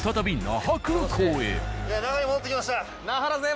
那覇に戻ってきました。